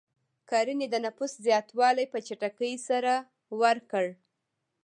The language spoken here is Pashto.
کرنې د نفوس زیاتوالی په چټکۍ سره ورکړ.